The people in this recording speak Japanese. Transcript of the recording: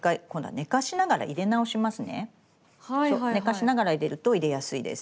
寝かしながら入れると入れやすいです。